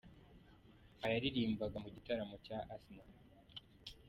Aha yaririmbaga mu gitaramo cya Asinah.